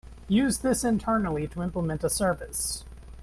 Use this internally to implement a service.